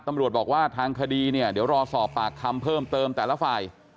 ตำรวจบอกว่าทางคดีเนี่ยเดี๋ยวรอสอบปากคำเพิ่มเติมแต่ละฝ่าย